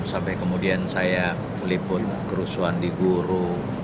sampai kemudian saya meliput kerusuhan di guru